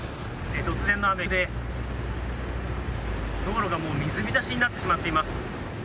突然の雨で道路が、もう水浸しになってしまっています。